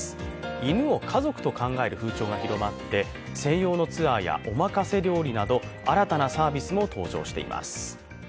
犬を家族と考える風潮が広まって専用のツアーやおまかせ料理など新たなサービスも登場しています。